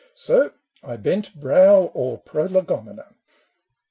So, I bent brow o'er Prolegomena.